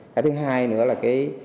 cái thứ hai nữa là cái